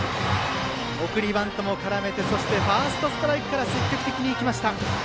送りバントも絡めてそしてファーストストライクから積極的に行きました。